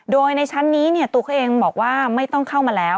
โดยในชั้นนี้ตัวเขาเองบอกว่าไม่ต้องเข้ามาแล้ว